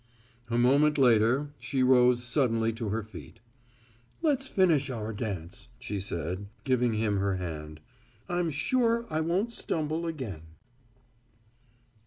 A moment later she rose suddenly to her feet. "Let's finish our dance," she said, giving him her hand. "I'm sure I won't stumble again."